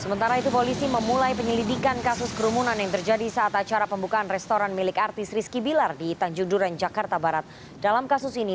untuk selanjutnya kami melaksanakan pembubaran pada pengunjung restoran ini